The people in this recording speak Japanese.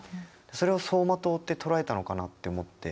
それを走馬灯って捉えたのかなって思って。